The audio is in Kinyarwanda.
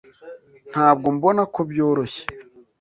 Ntabwo mbona ko byoroshye.